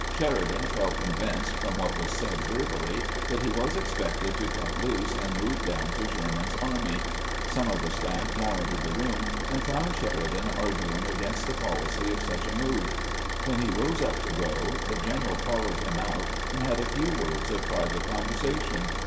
Sheri dan felt convinced, from what was said verbally, that he was expected to cut loose and move down to Sher man's army. Some of the staff now entered the room, and found Sheridan arguing against the policy of such a move. When he rose up to go, the general followed him out and had a few words of private conversation.